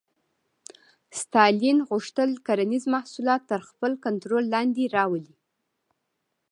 ستالین غوښتل کرنیز محصولات تر خپل کنټرول لاندې راولي.